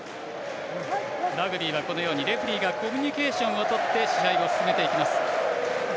ラグビーはこのようにレフリーがコミュニケーションをとって試合を進めていきます。